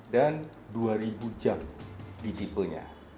dan dua ribu jam di tipenya